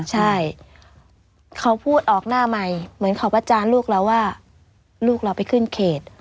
ใช่เขาพูดออกหน้าใหม่เหมือนเขาประจานลูกเราว่าลูกเราไปขึ้นเขต